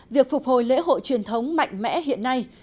việc phục hồi lễ hội truyền thống mạnh mẽ hiện nay